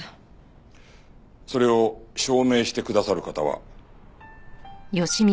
それを証明してくださる方は？